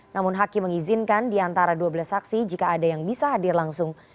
namun hakim mengizinkan diantara dua belas saksi jika ada yang bisa hadir langsung